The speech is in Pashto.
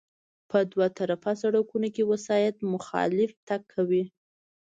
په دوه طرفه سړکونو کې وسایط مخالف تګ کوي